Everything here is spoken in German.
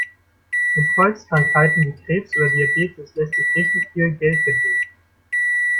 Mit Volkskrankheiten wie Krebs oder Diabetes lässt sich richtig viel Geld verdienen.